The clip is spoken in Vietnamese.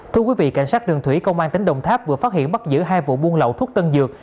thưa quý vị cảnh sát đường thủy công an tỉnh đồng tháp vừa phát hiện bắt giữ hai vụ buôn lậu thuốc tân dược